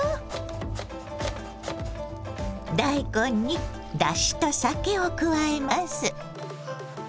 大根にだしと酒を加えます。